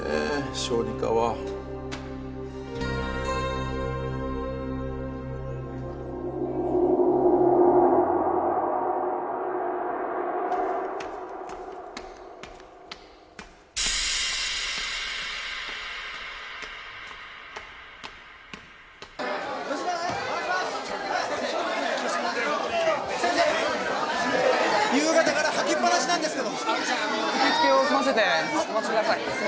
小児科は先生夕方から吐きっぱなしなんですけどじゃあ受付を済ませてお待ちください